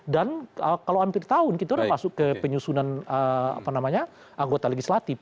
kalau hampir tahun kita sudah masuk ke penyusunan anggota legislatif